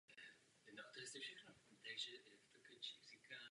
Z toho důvodu potřebujeme otevřenost k reformám a politickou odvahu.